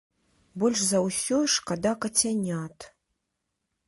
Больш за ўсё шкада кацянят.